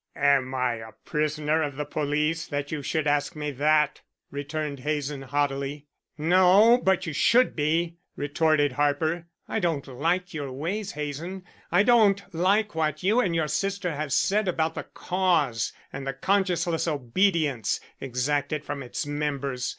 "Am I a prisoner of the police that you should ask me that?" returned Hazen, haughtily. "No, but you should be," retorted Harper. "I don't like your ways, Hazen. I don't like what you and your sister have said about the Cause and the conscienceless obedience exacted from its members.